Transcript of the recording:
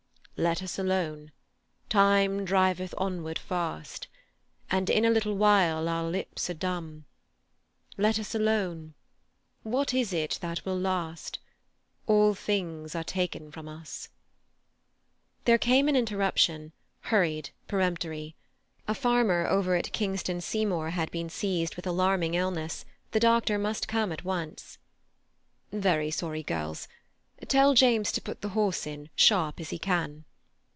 "Let us alone. Time driveth onward fast, And in a little while our lips are dumb. Let us alone. What is it that will last? All things are taken from us—" There came an interruption, hurried, peremptory. A farmer over at Kingston Seymour had been seized with alarming illness; the doctor must come at once. "Very sorry, girls. Tell James to put the horse in, sharp as he can."